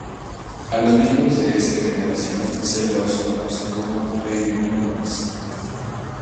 A los miembros de esa generación se los conoce como "baby boomers".